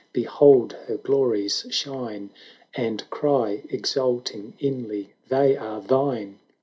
behold her glories shine, And cry, exulting inly, "They are thine